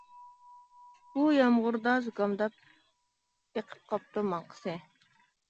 بۇ يامغۇردا زۇكامداپ، ئېقىپ قاپتۇ ماڭقىسى.